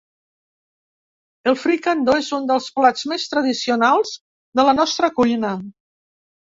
El fricandó és un dels plats més tradicionals de la nostra cuina.